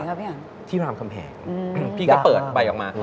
ครับพี่อันที่รามคำแหงพี่ก็เปิดใบออกมา